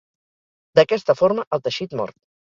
D'aquesta forma, el teixit mor.